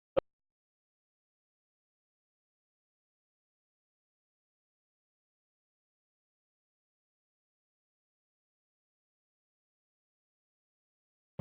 โอเคโอเคโอเค